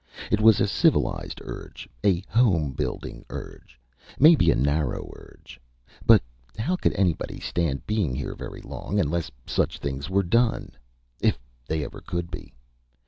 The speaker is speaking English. It was a civilized urge, a home building urge, maybe a narrow urge. But how could anybody stand being here very long, unless such things were done? If they ever could be.